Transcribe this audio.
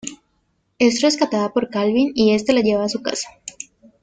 Es rescatada por Calvin y este la lleva su casa.